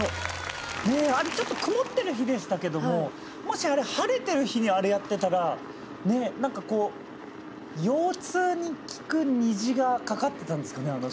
あれちょっと曇ってる日でしたけどももし晴れてる日にあれやってたらねっなんかこう腰痛に効く虹がかかってたんですかね？